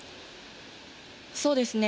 そうですね。